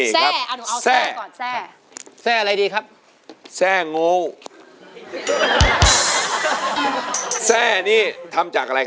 คุณไปขอก็ทีเดียว